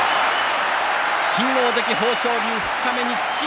新大関豊昇龍、二日目に土。